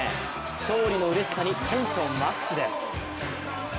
勝利のうれしさにテンションマックスです。